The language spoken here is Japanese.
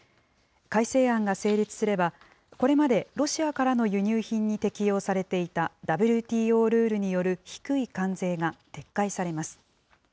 改正案が成立すれば、これまでロシアからの輸入品に適用されていたＷＴＯルールによる低い関税が撤回されます。